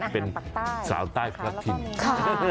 เป็นสาวใต้พระพินธรรม